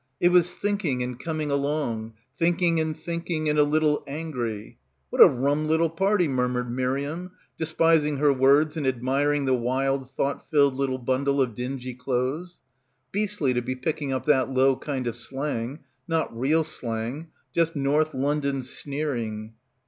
It was thinking and coming along, thinking and thinking and a little angry. What a rum little party, murmured Miriam, despising her words and admiring the wild thought filled little bundle of dingy clothes. Beastly, to be picking up that low kind of slang — not real slang. Just North London sneering.